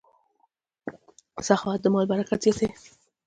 سخاوت د مال برکت زیاتوي.